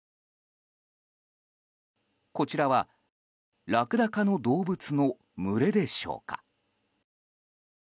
こちらはラクダ科の動物の群れでしょうか。